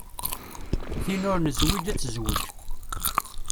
Tin ur nezwij ad tezwej.